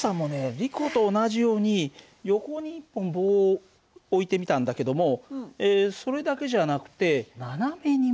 リコと同じように横に１本棒を置いてみたんだけどもそれだけじゃなくて斜めにも棒をつけたんだよね。